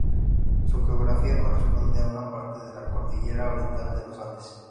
Su geografía corresponde a una parte de la cordillera oriental de los Andes.